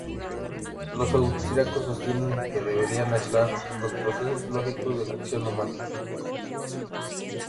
Los austriacos sostienen que se debería aislar los procesos lógicos de la acción humana.